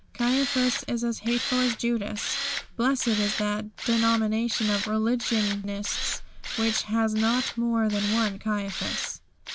Caiaphas is as hateful as Judas. Blessed is that denomination of religionists which has not more than one Caiaphas!